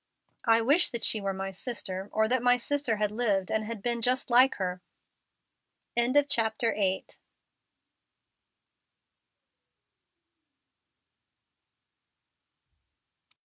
I wish that she were my sister, or that my sister had lived and had been just like her." CHAPTER IX MISS WALTON REC